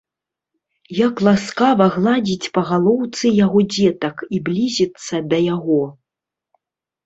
як ласкава гладзiць па галоўцы яго дзетак i блiзiцца да яго...